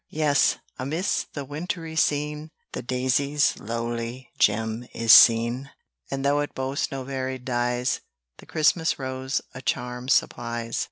Yes, amidst the wintry scene, The daisy's lowly gem is seen; And tho' it boasts no varied dyes, The Christmas rose a charm supplies.